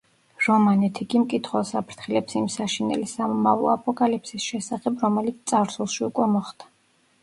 რომანით იგი მკითხველს აფრთხილებს იმ საშინელი სამომავლო აპოკალიფსის შესახებ, რომელიც წარსულში უკვე მოხდა.